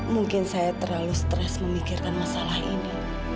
mungkin saya terlalu stres memikirkan masalah ini